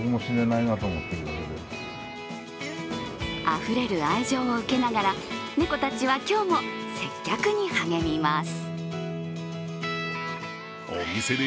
あふれる愛情を受けながら、猫たちは今日も接客に励みます。